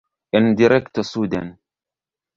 En direkto suden.